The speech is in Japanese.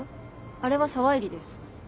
あれは沢入です。